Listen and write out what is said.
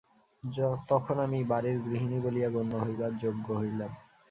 তখন আমি বাড়ির গৃহিনী বলিয়া গণ্য হইবার যোগ্য হইলাম।